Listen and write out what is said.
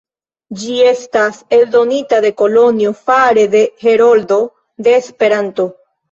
Ĝi estas eldonita en Kolonjo fare de Heroldo de Esperanto.